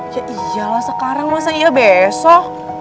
ya iyalah sekarang masa iya besok